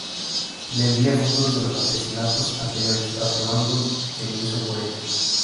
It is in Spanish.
Le envía fotos de los asesinatos anteriores afirmando que lo hizo por ella.